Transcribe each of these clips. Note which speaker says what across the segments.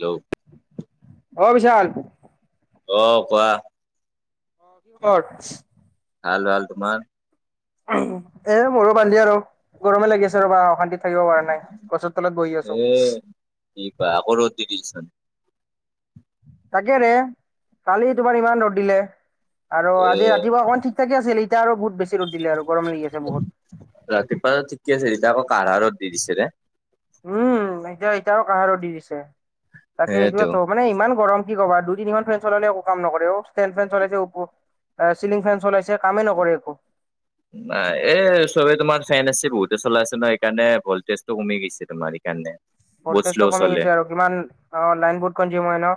Speaker 1: Hello
Speaker 2: অ বিশাল
Speaker 1: অ কোৱা
Speaker 2: ক'ত
Speaker 1: ভাল ভাল তোমাৰ
Speaker 2: এ মোৰো ভাল দিয়া আৰু গৰমে লাগি আছে ৰবা অশান্তিত থাকিব পৰা নাই গছৰ তলত বহি
Speaker 1: এ
Speaker 2: আছো
Speaker 1: কি কোৱা আকৌ [inaudible]
Speaker 2: তাকে ৰে কালি তোমাৰ ইমান ৰ'দ দিলে আৰু
Speaker 1: এ
Speaker 2: আজি ৰাতিপুৱা অকমাণ ঠিক থাকে আছিল এতিয়া আৰু বহুত বেছি ৰ'দ দিলে আৰু গৰম লাগি আছে বহুত
Speaker 1: ৰাতিপুৱা ঠিকে আছে এতিয়া আকৌ কাঢ়া ৰ'দ দি দিছে ৰে [unintelligible]
Speaker 2: উম এতিয়া এতিয়াও কাঢ়া ৰ'দ দি দিছে তাকে
Speaker 1: সেইটো
Speaker 2: সেইটোৱে থ মানে ইমান গৰম কি কবা দুই তিনিখন ফ্ৰেন চলালেও একো কাম নকৰে অ ষ্টেন ফেন চলাইছে উপ [unintelligible] এ চিলিং ফেন চলাইছে কামেই নকৰে একো
Speaker 1: এ চবে তোমাৰ ফেন আছে বহুতে চলাই আছে নয় এই কাৰণে ভলটেজটো কমি গৈছে তোমাৰ এইকাৰণে
Speaker 2: ভল্টেজটো কমি গৈছে আৰু কিমান অ লাইন বহুত কনজিউম হয় ন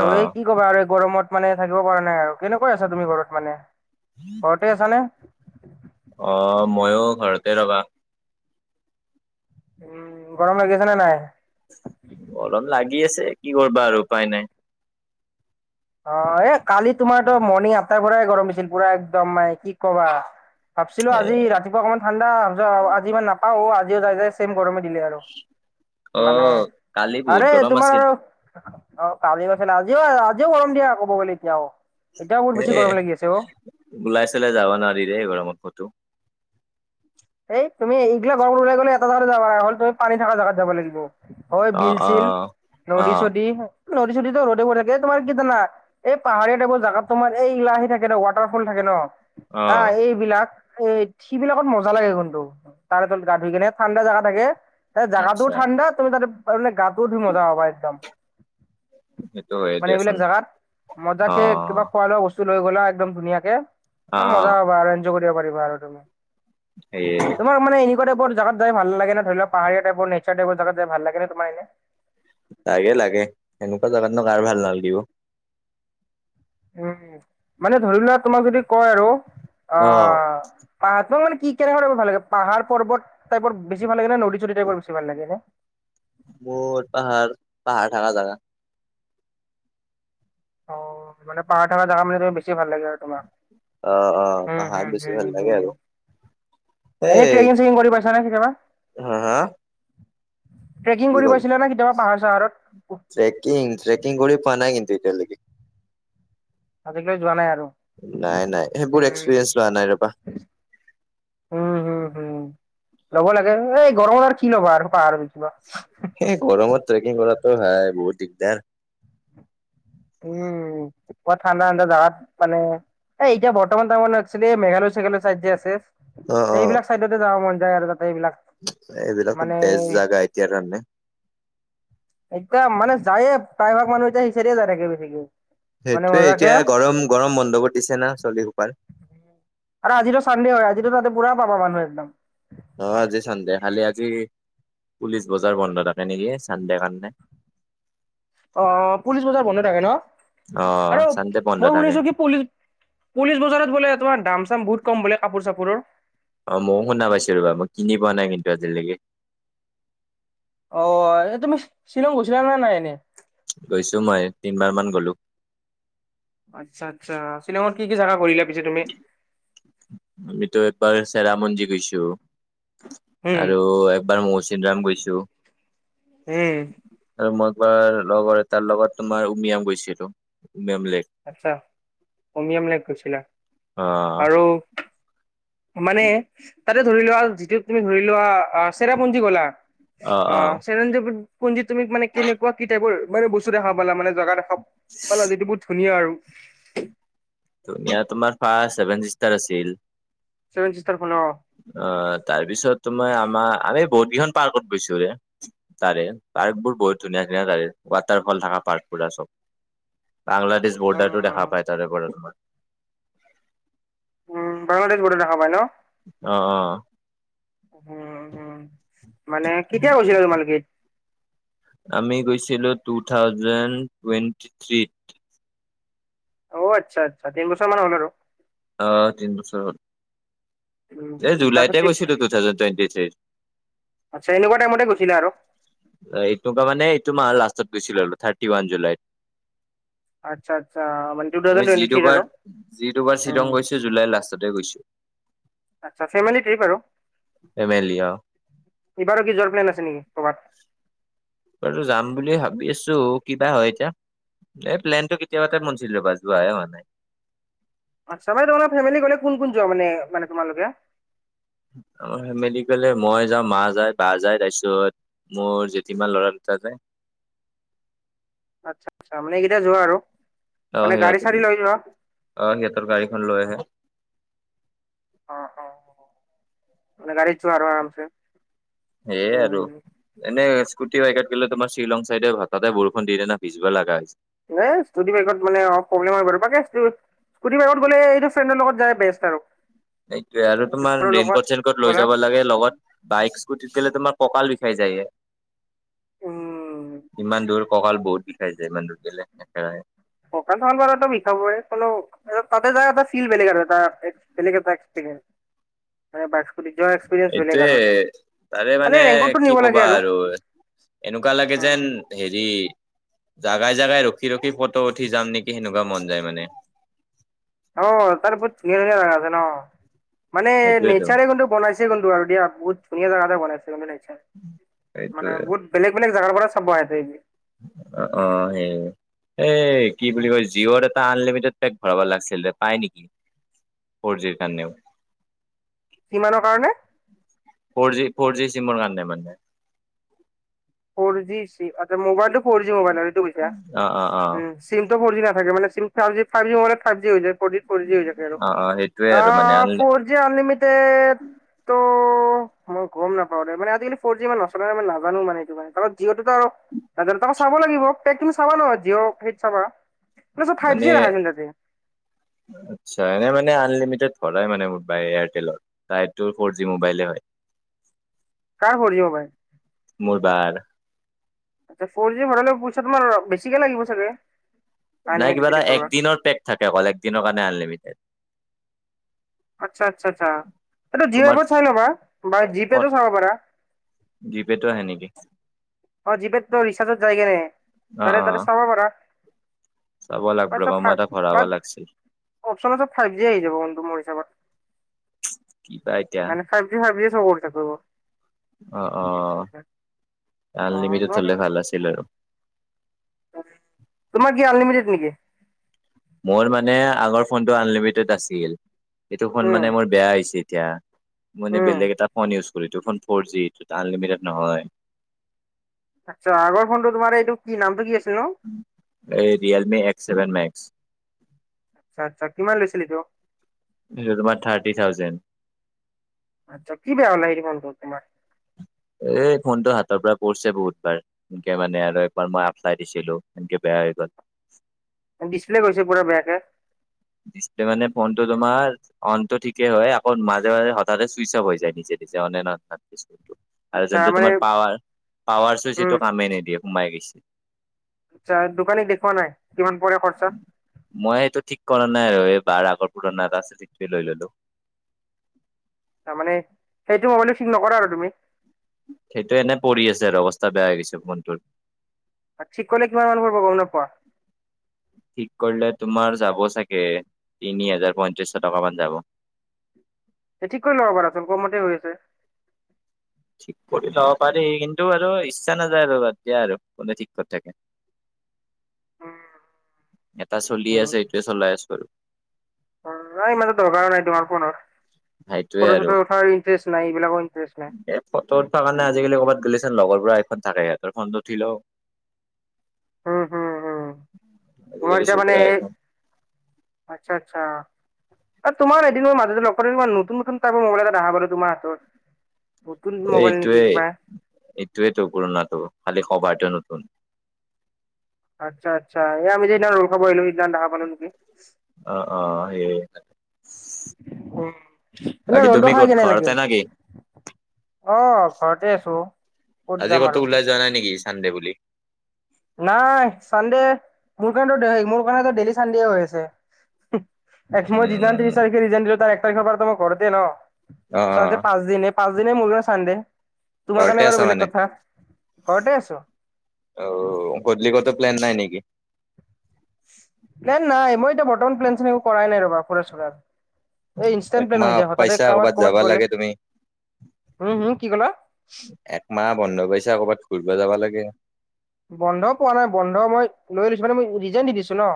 Speaker 1: অ
Speaker 2: এই কি কবা আৰু এই গৰমত মানে থাকিব পৰা নাই আৰু কেনেকৈ আছা তুমি ঘৰত মানে ঘৰতে আছানে
Speaker 1: ময়ো ঘৰতে ৰবা
Speaker 2: উম গৰম লাগিছে নে নাই
Speaker 1: গৰম লাগি আছে কি কৰিবা আৰু উপায় নাই
Speaker 2: অ এ কালি তোমাৰ তো মৰ্ণিং আঠটাৰ পৰাই গৰম হৈছিল পুৰা একদম মানে কি কবা ভাবছিলো
Speaker 1: এ
Speaker 2: আজি ৰাতিপুৱা অকমান ঠাণ্ডা আজি ইমান নাপাও আজিও যাই ছেম গৰমে দিলে আৰু
Speaker 1: অ
Speaker 2: মানে
Speaker 1: কালি বহুত
Speaker 2: আৰু
Speaker 1: গৰম
Speaker 2: তোমাৰ
Speaker 1: আছিল
Speaker 2: অ কালি বছলে আজি আজি গৰম দিয়া আকৌ ব বলে এতিয়া [unintelligible]
Speaker 1: এ ওলাই চুলাই যাব নোৱাৰি দেই গৰমত কতো
Speaker 2: এই তুমি এইগিলা গৰম ওলাই গ'লে এটাই জাগাত তুমি পানী থকা জেগাত যাব লাগিব [unintelligible] হয়
Speaker 1: অ
Speaker 2: বিল
Speaker 1: অ
Speaker 2: চিল
Speaker 1: অ
Speaker 2: নদী চদী নদী চদীতো নদীবোৰ থাকে তোমাৰ কি জানা এই পাহাৰীয়া টাইপৰ জাগাত তোমাৰ এই আহী থাকে ন ৱাটাৰফল থাকে ন
Speaker 1: অ
Speaker 2: আহ এইবিলাক এই সি বিলাকত মজ মজা লাগে কিন্তু ৱাটাৰ ফলত গা ধুই কিনে ঠাণ্ডা জাগা থাকেই জাগাটো
Speaker 1: আচ্ছা
Speaker 2: ঠাণ্ডা তুমি তাতে লে গাটোও মজা হব একদম
Speaker 1: সেইটো হয়
Speaker 2: [unintelligible] মানে
Speaker 1: দিয়াচোন
Speaker 2: এইবিলাক জেগাত মজাকে কিবা
Speaker 1: অ',
Speaker 2: খোৱা লোৱা বস্তু লৈ গ'লা একদম ধুনীয়াকে মজা
Speaker 1: অ',
Speaker 2: হব আৰু এনজয় কৰিব পাৰিবা আৰু তুমি
Speaker 1: সেয়ে।
Speaker 2: তোমাৰ মানে এনে টাইপৰ জেগাত যায় ভাল লাগে ধৰি ল পাহাৰ টাইপ নেচাৰ টাইপৰ জাগাত য ভাল লাগে তোমাৰ এনে [unintelligible]
Speaker 1: লাগে লাগে এনেকুৱা জেগাতনো কাৰ ভাল নালাগিব
Speaker 2: উম মানে ধৰি লোৱা তোমাক যদি কয় আৰু অ
Speaker 1: অ',
Speaker 2: পাহাৰতো মানে [unintelligible] কি কেনেকা টাইপ ভাল লাগে পাহৰ পৰ্বত টাইপৰ বেছি ভাল লাগে নদী চদী টাইপ বেছি ভাল লাগে
Speaker 1: মোৰ পাহাৰ পাহাৰ থাকা জাগাত
Speaker 2: অ মানে পাহাৰ থকা জাগাত মানে বেছি ভাল লাগে আৰু তোমাৰ
Speaker 1: অ', অ',
Speaker 2: উ উ
Speaker 1: পাহাৰ
Speaker 2: হম
Speaker 1: বেছি
Speaker 2: হম
Speaker 1: ভাল লাগে আৰু।
Speaker 2: এনেই ট্ৰেকিং চেকিং কৰি পাইছা পাইছা নে কেতিয়াবা
Speaker 1: হম হা
Speaker 2: ট্ৰেকিং
Speaker 1: কি
Speaker 2: কৰি
Speaker 1: ক'ল?
Speaker 2: পাইছিলে নে কেতিয়াবা পাহাৰ চাহাৰত উফ,
Speaker 1: ট্ৰেকিং ট্ৰেকিং কৰি পোৱা নাই কিন্তু এতিয়া লৈকে
Speaker 2: আজিকালি যোৱা নাই আৰু
Speaker 1: নাই নাই সেইবোৰ এক্সপিৰিয়েঞ্চ লোৱা নাই ৰবা
Speaker 2: উম হম হম ল'ব লাগে এই গৰমত আৰু কি ল'বা আৰু পাহাৰ
Speaker 1: এ গৰমত ট্ৰেকিং কৰাটো হয় বহুত দিগদাৰ
Speaker 2: উম ঠাণ্ডা ঠাণ্ডা জাগাত মানে এ এতিয়া বৰ্তমান তাৰ মানে মেঘালয় চেঘালয় চাইদ যে আছে
Speaker 1: অ', অ',
Speaker 2: সেইবিলাক চাইডতে যাব মন যায় আৰু ত
Speaker 1: এইবিলাকতো বেষ্ট জেগা এতিয়া কাৰণে
Speaker 2: এতিয়া মানে যায়ে প্ৰায়ভাগ মানুহ এতিয়া সেইচাইদে যায় থাকে বেচিকে
Speaker 1: সেইটোৱে এতিয়া গৰম গৰম বন্ধ বোৰ দিছে না চলি সোপাৰ
Speaker 2: আৰু আজিটো চানডে হয় আজিতো তাতে পুৰা পাবা মানুহ একদম
Speaker 1: অ আজি সন্ধিয়া ফালে আজি পুলিচ বজাৰ বন্ধ থাকে নেকি চানডে কাৰণে
Speaker 2: অ পুলিচ বজাৰ বন্ধ থাকে ন
Speaker 1: অ
Speaker 2: আৰু
Speaker 1: চানডে বন্ধ
Speaker 2: মই
Speaker 1: থাকে
Speaker 2: শুনিছো কি পুলিচ পুলিচ বজাৰত বোলে তোমাৰ দাম চাম বহুত কম বোলে কাপোৰ চাপোৰৰ
Speaker 1: অ ময়ো শুনা পাইছো ৰবা মই কিনি পোৱা নাই কিন্তু আজিলৈকে
Speaker 2: অ তুমি শ্বিলং গৈছিলা নে নাই এনেই
Speaker 1: গৈছো মই তিনবাৰমান গ'লো
Speaker 2: আচ্ছা আচ্ছা শ্বিলঙত কি কি জাগা ফুৰিলা পিছে তুমি
Speaker 1: মই চেৰাপুঞ্জী গৈছো।
Speaker 2: উম,
Speaker 1: আৰু একবাৰ মৌচিন ৰাম গৈছো।
Speaker 2: হুম।
Speaker 1: তাৰ লগৰ এটাৰ লগত তোমাৰ উমিয়াম গৈছিলো। উমিয়াম লেক
Speaker 2: আচ্ছা। উমিয়াম লেক গৈছিলা?
Speaker 1: অ
Speaker 2: আৰু মানে তাতে ধৰি লোৱা যিটো তুমি ধৰি লোৱা চেৰাপুঞ্জী গলা অ চেৰা পুঞ্জিত তুমি মানে কেনেকুৱা কি টাইপৰ মানে বস্তু দেখা পালা মানে জাগা দেখা পালা মানে যিটো [unintelligible] ধুনীয়া আৰু?
Speaker 1: ধুনীয়া তোমাৰ ফাৰ্ষ্ট ছেভেন চিষ্টাৰ আছিল।
Speaker 2: Seven sister. খন অ
Speaker 1: অ তাৰপিছত তোমাৰ আমাৰ আমি বহুত কেইখন পাৰ্কত গৈছো ৰে, তাৰে পাৰ্ক বোৰ বহুত ধুনীয়া ধুনীয়া তাৰে ৱাটাৰ ফল থাকা পাৰ্ক, পুৰা চব।
Speaker 2: [inaudible]
Speaker 1: বাংলাদেশ বৰ্ডাৰটো দেখা পায় তাৰে পৰা তোমাৰ।
Speaker 2: উম বাংলাদেশ বৰ্ডাৰ দেখা পাই ন?
Speaker 1: অহ অহ।
Speaker 2: উম হ'ম মানে কেতিয়া গৈছিলা তোমালোকে?
Speaker 1: আমি গৈছিলো টু থাউজেণ্ড টুৱেণ্টি থ্ৰীত।
Speaker 2: অ আচ্ছা আচ্ছা। তিনি বছৰমান হ'ল আৰু?
Speaker 1: অহ তিন বছৰ হল।
Speaker 2: উম
Speaker 1: এ
Speaker 2: উম তাৰপিছত
Speaker 1: জুলাইতে
Speaker 2: ট্ৰিপ
Speaker 1: গৈছিলো টু থাউজেণ্ড টুৱেণ্টি থ্ৰীত।
Speaker 2: আচ্ছা, এনেকুৱা টাইমতে গৈছিলা আৰু?
Speaker 1: এইটো মাহ মানে এইটো মাহৰ লাষ্টত গৈছিলো থাৰ্টি ওৱান জুলাইত।
Speaker 2: আচ্ছা আচ্ছা মানে টু
Speaker 1: আমি
Speaker 2: থাউজেণ্ড
Speaker 1: যি
Speaker 2: টুৱেণ্টি থ্ৰীত
Speaker 1: দুবাৰ
Speaker 2: আৰু
Speaker 1: যি দুবাৰ শ্বিলং
Speaker 2: উম
Speaker 1: গৈছো জুলাই লাষ্টত তে গৈছো।
Speaker 2: আচ্ছা ফেমেলি ট্ৰিপ আৰু?
Speaker 1: ফেমেলি অ।
Speaker 2: এইবাৰো কি যোৱাৰ প্লেন আছে নেকি ক'ৰবাত?
Speaker 1: যোৱাটো যাম বুলি ভাবি আছো, কিবা হয় এতিয়া। এই প্লেনটো কেতিয়াবাতাতে বনিছিল জোৱাহে হোৱা নাই।
Speaker 2: আচ্ছা ভাই তোমালোকৰ ফেমেলি গলে কোন কোন যোৱা মানে তোমালোকে?
Speaker 1: অ মিলি গলে মই যাওঁ, মাঁ যায়, বা যায় তাৰপিছত মোৰ যেঠিমাৰ ল'ৰা দুটা যায়।
Speaker 2: আচ্ছা আচ্ছা। মানে এইকেইটা যোৱা আৰু?
Speaker 1: আহ
Speaker 2: মানে গাড়ী
Speaker 1: সিহঁতে
Speaker 2: চাড়ী লৈ যোৱা
Speaker 1: অ সিহঁতৰ গাড়ীখন লৈ আহে।
Speaker 2: অ অ মানে গাড়ীত যোৱা আৰু আৰামছে?
Speaker 1: সেইয়ে আৰু
Speaker 2: উম
Speaker 1: এনে স্কুটি বাইকত গ'লে তোমাৰ শ্বিলং চাইডে হঠাতে বৰষুন দি দিয়ে না পিছবেলা তিতবা লগা হৈ যায়।
Speaker 2: এ স্কুটি বাইকত মানে অ প্ৰব্লেম হয় বাৰু বাকি স্কুটি বাইকত গ'লে এইটো ফ্ৰেণ্ডৰ লগত যাই বেষ্ট আৰু।
Speaker 1: সেইটোয়ে আৰু তোমাৰ
Speaker 2: ফ্ৰেণ্ডৰ লগত
Speaker 1: ৰেইনকোট চেনকোট লৈ
Speaker 2: গ'লা
Speaker 1: যাব লাগে লগত বাইক স্কুটিত গলে তোমাৰ কঁকাল বিষাই যায়ে,
Speaker 2: উম
Speaker 1: ইমান দূৰ। কঁকাল বহুত বিষাই যায় এমান দূৰ গ'লে একেৰাহে।
Speaker 2: কঁকাল চকাল বাৰু তহ' বিষাবই হ'লেও তাতে যায় এটা ফিল বেলেগ আৰু বেলেগ এটা এক্সেপেৰিয়েন্স, মানে বাই
Speaker 1: এইটোয়ে তাৰে
Speaker 2: খালি
Speaker 1: মানে
Speaker 2: ৰেইনকোটটো
Speaker 1: কি
Speaker 2: নিব লাগে
Speaker 1: কবা আৰু, এনেকুৱা লাগে
Speaker 2: উম।
Speaker 1: যেন হেৰি জাগাই জাগাই ৰখি ৰখি ফটো উঠি যাম নেকি সেনেকুৱা মন যায় মানে।
Speaker 2: অঁ তাত বহুত ধুনীয়া ধুনীয়া জাগা আছে ন? মানে
Speaker 1: সেইটোয়েতো
Speaker 2: নেচাৰে কিন্তু বনাইছে কিন্তু আৰু দিয়া বহুত ধুনীয়া জাগাতে বনাইছে কিন্তু মানে
Speaker 1: সেইটোয়ে
Speaker 2: বহুত বেলেগ বেলেগ জোগাৰ পৰা চাব আহে তে
Speaker 1: অ অ সেই এই কি বুলি কয় জিঅৰ এটা টা আনলিমিটেড পে ভৰাব লাগছিল পায় নেকি ফৰ জিৰ কাৰণেও।
Speaker 2: কিমানৰ কাৰণে
Speaker 1: ফৰ জি ফৰ জি চিমোৰ কাৰ ন মানে [unintelligible]
Speaker 2: ফৰ জি আচ্ছা মোবাইলটো ফ'ৰ জি মোবাইলটো কৈছা
Speaker 1: অ অ অ
Speaker 2: চিমটো ফৰ জি - থাগে মানে ছিম থাউজিত ফাইজি লগালে ফাইভ জি হৈ যায়। ফোৰটিট ফোৰজি হৈ থাকে
Speaker 1: অ অ সেইটোয়ে
Speaker 2: আ
Speaker 1: আৰু মানে only
Speaker 2: four G unlimited মই গম নাপাও দে মানে আজিকালি ফৰ জি মানে নচলাও মানে নাজানো মানে। ত জিঅ'টোত আৰু দেনটাকো চাব লাগিব কি চাবা নয় জিঅ' সেইত চাবা। ফাইভ
Speaker 1: মানে
Speaker 2: জি ৰাখাইচোন তাতে
Speaker 1: আচ্ছা এনে মান আলিমিটড [unintelligible] [unintelligible] সদায় মানে মাই এয়াৰটেলৰ তাইটো ফৰ জি মোবাইলে হয়।
Speaker 2: কাৰ সৰিয়হ পাই।
Speaker 1: মোৰবাৰ
Speaker 2: আচ্ছা ফৰ জি ভাড পইচা তোমাৰ বেছিকে লাগিব চাগে
Speaker 1: নাই
Speaker 2: আনলিমিটেড
Speaker 1: কিবা
Speaker 2: যদি
Speaker 1: এটা
Speaker 2: ভৰোৱা
Speaker 1: একদিনৰ পেক থাকে অকল একদিনৰ কাৰণে আনলিমিটেড
Speaker 2: আচ্ছা আচ্ছা আচ্ছা এই জিঅ
Speaker 1: তোমাৰ
Speaker 2: প চাই লবা বা জি পে তো চাব পাৰা।
Speaker 1: জি পেটো আহে নেকি?
Speaker 2: অ জি পেট ৰিচাৰ্জত যায়গে নে
Speaker 1: অ
Speaker 2: তাৰে
Speaker 1: অ
Speaker 2: তাতে চাব পাৰা
Speaker 1: চাব লাগব ৰ'বা
Speaker 2: আত্চ্ছা
Speaker 1: মই এটা ভৰাব লাগছিল
Speaker 2: অপচন আ ফাইভ জি আহি যাব মোৰ হিচাপত
Speaker 1: কিবা এতিয়া
Speaker 2: মানে ফাইভ জি ফাইভ জি চব কৰি কৰিব
Speaker 1: অ অ আনলিমিটেড হলে
Speaker 2: অ
Speaker 1: ভাল আছিল আৰু
Speaker 2: তোমাৰ কি আনলিমিটেড নেকি?
Speaker 1: মোৰ মানে আগৰ ফোনটো আনলিমিটেড আছিল এইটো ফোন
Speaker 2: উম
Speaker 1: মানে মোৰ বেয়া হৈছে এতিয়া। মানে
Speaker 2: উম
Speaker 1: বেলেগ এটা ফোন ইউজ কৰি এই ফোন ফৰ জি আনলিমিটেড নহয়।
Speaker 2: আচ্ছা আগৰ ফোনটো তোমাৰ এইটো কি নামটো কি আছিল নো
Speaker 1: এই ৰিয়েলমি এক্স ছেভেন মেক্স
Speaker 2: আচ্ছা আচ্ছা কিমান লৈছিলি এটো
Speaker 1: সেইটো তোমাৰ থাৰ্টি থাউজেণ্ড
Speaker 2: আচ্ছা কি বেয়া হ'ল সেই ফোনটো তোমাৰ
Speaker 1: এ ফোনটো হাতৰ পৰা পৰিছে বহুতবাৰ সনকে মানে আৰু এবাৰ মই এপ্লাই দিছিলো সনকে বেয়া হৈ গ'ল।
Speaker 2: ডিচপ্লে গৈছে পুৰা বেয়াকে
Speaker 1: ডিছপ্লে মানে ফোনটো তোমাৰ অনতটো ঠিকেই হয় আকৌ মাজে মাজে হঠাতে চুইচ অফ হৈ যায় নিজে নিজে অনে নহয় তাৰ পিছতো আৰু
Speaker 2: আচ্ছা
Speaker 1: যোনটো
Speaker 2: মানে
Speaker 1: তোমাৰ পাৱাৰ পাৱাৰ চই যিটো কামেই নিদিয়ে সোমাই গৈছে।
Speaker 2: আচ্ছা দোকানী দেখুৱাই নাই কিমান পৰে খৰচা।
Speaker 1: মানে বাৰ আগৰ পুৰণা এটা আছে সেইটো লৈ ললো
Speaker 2: তাৰমানে সেইটো মোবাইল ঠিক নকৰা আৰু তুমি।
Speaker 1: সেইটো এনে পৰি আছে আৰু অৱস্থা বেয়া হৈ গৈছে ফোনটোৰ
Speaker 2: আৰু ঠিক কৰিলে কিমান মান পৰিবব গম নাপোৱা
Speaker 1: ঠিক কৰিলে তোমাৰ যাব চাগে তিনি হাজাৰ পয়ত্ৰিশ টকা মান যাব
Speaker 2: স ঠিক কৰি ল'ব পাৰাচোন কমতে হৈ আছে।
Speaker 1: ঠিক কৰি ল'ব পাৰি কিন্তু আৰু ইচ্ছা নাযায় আৰু এতিয়া আৰু কোনে ঠিক কৰি থাকে।
Speaker 2: উম
Speaker 1: এটা চলি
Speaker 2: উ
Speaker 1: আছে এইটোৱে চলাই আছো আৰু
Speaker 2: নাই মানে দৰকাৰ নাই তোমাৰ ফোনৰ
Speaker 1: সেইটোৱে
Speaker 2: ফটো
Speaker 1: আৰু
Speaker 2: চটো উঠাৰ ইন্টাৰেষ্ট নাই এইবিলাকৰ ইণ্টাৰেষ্ট নাই
Speaker 1: এ ফটো উঠোৱা মানে আজিকালি কৰ'বাত গ'লে চোন লগৰবোৰ আইফ- ফোন থাকে ইতৰ ফোনটো উঠি লও
Speaker 2: উম হম হম তোমাক
Speaker 1: আজিকালি
Speaker 2: এতিয়া মানে
Speaker 1: চবৰে
Speaker 2: এই
Speaker 1: আইফোন
Speaker 2: আচ্ছা আচ্ছা তোমাৰ এদিন মই মাজত লগ পাওঁতে নতুন নতুন টাইপৰ মোবাইল এটা দেখা পালো তোমাৰ হাতত নতুন
Speaker 1: এই
Speaker 2: মোবাইল নেকি
Speaker 1: এইটোৱেই
Speaker 2: কিবা
Speaker 1: এইটোৱেইতো পুৰণাটো খালি কবাৰটো নতুন
Speaker 2: আচ্ছা আচ্ছা এই আমি যিদিনা ৰল খাব আহিলো সেইদিনা দেখা পালো নেকি
Speaker 1: হয়।
Speaker 2: উ এনেই
Speaker 1: বাকী তুমি
Speaker 2: ৰোলটো খাই
Speaker 1: ক'ত
Speaker 2: কেনে
Speaker 1: ঘৰতে
Speaker 2: লাগিল।
Speaker 1: না কি
Speaker 2: অ' ঘৰতে আছো।
Speaker 1: আজি কতো ওলাই যোৱা নাই নেকি চানডে বুলি।
Speaker 2: নাই চানডে মোৰ কাৰণ টো মোৰ কাৰণ টো ডেইেলি চানডে হৈ আছে এক মই যি
Speaker 1: উম
Speaker 2: ত্ৰিশ তাৰিখে ৰিজ দিলো তাৰ এক তাৰিখৰ পৰাৰ মই ঘৰতে ন
Speaker 1: অ
Speaker 2: চ
Speaker 1: অ
Speaker 2: পাঁচ দিন পাঁচ দিন মোৰো চানডে তোমাৰ
Speaker 1: ঘৰতে
Speaker 2: কাৰণে
Speaker 1: আছা
Speaker 2: বাৰু বেলেগ
Speaker 1: মানে
Speaker 2: কথা ঘৰতে আছো
Speaker 1: অ গধূলি কটো প্লান নাই নেকি
Speaker 2: নাই নাই মই এতিয়া বৰ্তমান প্লেন চিন একো কৰাই নাই ফুৰা‌ চোৰাৰ এই ইনষ্টেণ্ট প্লেন
Speaker 1: একমাহ
Speaker 2: হৈ
Speaker 1: অফ
Speaker 2: যায় হৎঠাতে
Speaker 1: পাইছা
Speaker 2: কৰবাত কৰবাত
Speaker 1: যাবা
Speaker 2: গ'লে
Speaker 1: লাগে তুমি
Speaker 2: উম হম কি ক'লা
Speaker 1: একমাহ বন্ধ পাইছা ক'ৰবাত ঘুৰিব যাবা লাগে
Speaker 2: বন্ধ পোৱা নাই বন্ধ মই লৈ লৈছো মানে মই ৰিজাইন দি দিছো ন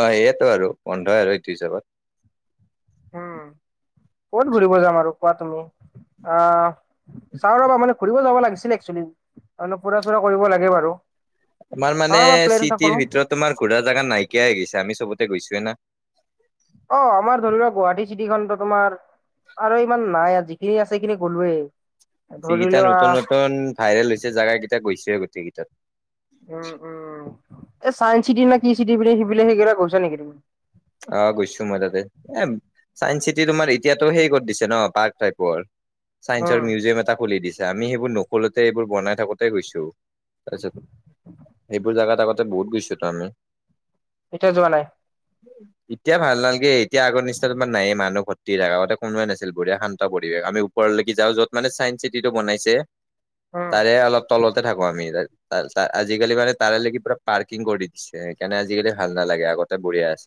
Speaker 1: অ সেইয়াতো আৰু পোন্ধৰ আৰু ত্ৰিছ হগত
Speaker 2: উম কত ঘুৰিব যাম আৰু কোৱা তুমি আহ চাও ৰবা মানে ঘুৰিব যাব লাগিছিলে একচেলী অলপ ফুৰা চুৰা কৰিব লাগে বাৰু
Speaker 1: তোমাৰ
Speaker 2: চাওঁ
Speaker 1: মানে
Speaker 2: ৰবা প্লেন এটা কৰো
Speaker 1: চিটিৰ ভিতৰত তোমাৰ ঘূৰাৰ জাগা নাইকিয়াই হৈ গৈছে আমি চবত তাতে গৈছেনে নে
Speaker 2: অ' আমাৰ ধৰি লোৱাক গুৱাহাটী চিটিখনো তোমাৰ আৰু ইমান নাই যিখিনি আছে। সেইখিনি গ'লোৱেই ধৰি
Speaker 1: যিকেইটা
Speaker 2: লোৱা
Speaker 1: নতুন নতুন ভাইৰেল হৈছে জোগা কেইটা গৈছে। গোটেইকেইটাত
Speaker 2: উম উম এই চাইস চিটিৰ নে কি চিটি প সি সেইকেইটা কৈছা নেকি তুমি?
Speaker 1: অ' গৈছো মই তাতে এ চাইন্স চিটি তোমাৰ এতিয়াতো সেই কৰিত দিছে ন পাৰ্ক টাইপৰ।
Speaker 2: উম
Speaker 1: ছাইসৰ মিউজিয়াম এটা খুলি দিছে। আমি সেইবোৰ নকলোতে এইবোৰ বনাই থাকোঁ‌তে গৈছো। তাৰপিছত এইবোৰ জাগাত আগতে বহুত গৈছো তো আমি
Speaker 2: এতিয়া যোৱা নাই।
Speaker 1: এতিয়া ভাল নালগে এতিয়া আগৰ নিচিনা ইমান নায়ে মানুহ ঘৰ তি আগতে কোনোৱে নাছিল। বঢ়া শান্ত পৰিৱেশ আমি ওৰলৈক যাওঁ যত মানে চাইন্ঞ্চ চিটিটো বনাইছে।
Speaker 2: উম
Speaker 1: তাৰে অলপ তলতে থাকোঁ‌ আমি ত ত ত আজিকালি মানে তাৰেকি পুৰা পাৰ্কিং কৰি দিছে। সেইকাৰণে আজিকালি ভাল নালাগে আগতে বঢ়িয়া আছে।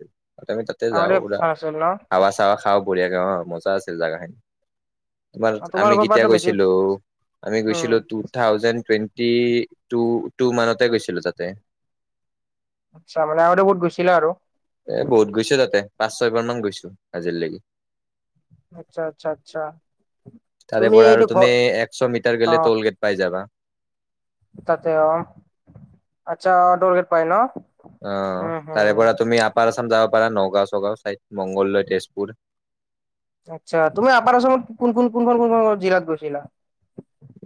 Speaker 1: আমি তাতে যাওঁ
Speaker 2: আগতে
Speaker 1: উৰা
Speaker 2: ভাল আছিল ন
Speaker 1: খাৱা চাৱা খাওঁ। বঢ়িয়াকে অ' মজা আছিল জেগাখিনি তোমাৰ আমি
Speaker 2: তোমালোকৰ
Speaker 1: কেতিয়া
Speaker 2: পৰাতো বেছি
Speaker 1: গৈছিলো। আমি
Speaker 2: উম
Speaker 1: গৈছিলো টু থাউজেণ্ড টুৱেণ্টি টু মানতে গৈছিলো তাতে
Speaker 2: আচ্ছা মানে আগতে বহুত গৈছিলা আৰু
Speaker 1: এ বহুত গৈছো তাতে পাঁচ ছয়বাৰ মান গৈছো আজিলৈকে
Speaker 2: আচ্ছা আচ্ছা আচ্ছা
Speaker 1: তাৰে
Speaker 2: তুমি
Speaker 1: পৰা আৰু
Speaker 2: এইটো ঘৰ
Speaker 1: তুমি একশ মিটাৰ
Speaker 2: অ
Speaker 1: গেলে টলগেট পাই যাবা।
Speaker 2: তাতে অ' আচ্ছা ডৰগেট পায় ন
Speaker 1: অ'
Speaker 2: উম
Speaker 1: তাৰে
Speaker 2: হম
Speaker 1: পৰা তুমি আপাৰ আছাম যাব। পাৰা নগাঁও ছগাঁও ছাইদ মংগলদৈ, তেজপুৰ
Speaker 2: আচ্ছা তুমি আপাৰৰ আসাম ত কোন ক কোন ক কোন ক জিলাত গৈছিলা।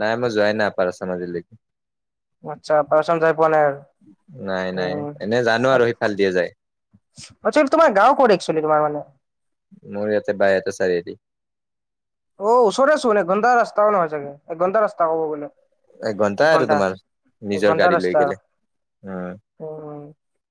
Speaker 1: নাই মই যোৱাই নাই আপাৰ আসাম আজিলৈকে।
Speaker 2: আচ্ছা পাৰচাম যাই পোৱা নাই আৰু
Speaker 1: নাই নাই।
Speaker 2: উম
Speaker 1: এনে জানো আৰু সিফাল দিয়ে যায়।
Speaker 2: আচ্ছা তোমাৰ গাঁও ক'ত একচলি তোমাৰ মানে
Speaker 1: মোৰ ইয়াতে বাইহাটা চাৰিআলি
Speaker 2: অ' ওচৰেতে ছোন এক ঘন্টাৰ ৰাস্তাও নহয় চাগে, এক ঘন্টাৰ ৰাস্তা কব গ'লে। এক
Speaker 1: এঘন্টাই আৰু
Speaker 2: ঘন্টা
Speaker 1: তোমাৰ
Speaker 2: এক
Speaker 1: নিজৰ
Speaker 2: ঘন্টা
Speaker 1: গাড়ী লৈ
Speaker 2: ৰাস্তা
Speaker 1: গেলে উম
Speaker 2: উম।